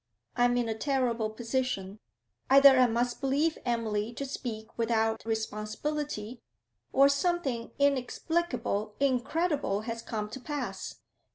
I am in a terrible position. Either I must believe Emily to speak without responsibility, or something inexplicable, incredible, has come to pass.